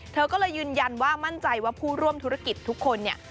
เธอก็เลยยืนยันว่ามั่นใจว่าผู้ร่วมธุรกิจทุกคนเนี่ย